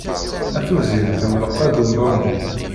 A tuzyint mm lqedd ubambu